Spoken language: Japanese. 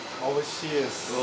おいしいです。